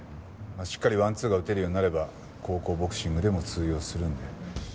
まあしっかりワンツーが打てるようになれば高校ボクシングでも通用するんで。